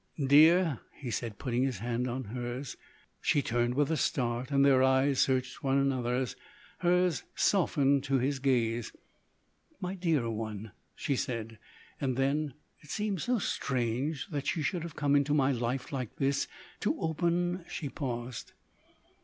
"Dear!" he said, putting his hand on hers. She turned with a start, and their eyes searched one another's. Hers softened to his gaze. "My dear one!" she said, and then: "It seems so strange that you should have come into my life like this to open" She paused.